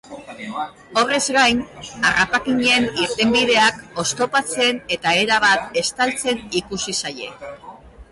Horrez gain, harrapakinen irtenbideak oztopatzen eta erabat estaltzen ikusi zaie.